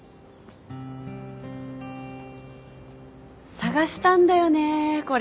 探したんだよねこれ。